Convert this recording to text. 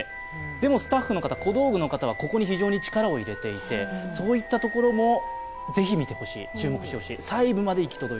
でも、スタッフの方、小道具の方はここに非常に力を入れていて、そういったところもぜひ見てほしい、注目してほしいと。